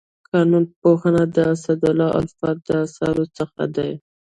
قانون پوهنه د اسدالله الفت د اثارو څخه دی.